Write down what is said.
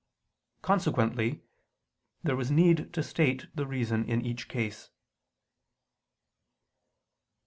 Consequently there was need to state the reason in each case.